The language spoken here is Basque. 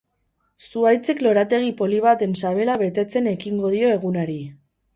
Zuhaitzek lorategi polit baten sabela betetzen ekingo dio egunari.